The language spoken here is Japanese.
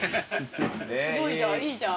すごいじゃんいいじゃん。